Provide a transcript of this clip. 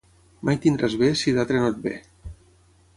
Mai tindràs bé si d'altre no et ve.